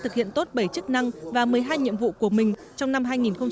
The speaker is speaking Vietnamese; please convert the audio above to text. thực hiện tốt bảy chức năng và một mươi hai nhiệm vụ của mình trong năm hai nghìn hai mươi